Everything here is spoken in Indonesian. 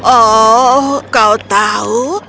oh kau tau